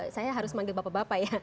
saya harus manggil bapak bapak ya